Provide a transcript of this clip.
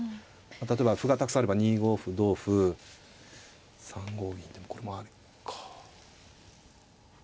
例えば歩がたくさんあれば２五歩同歩３五銀でこれもありか。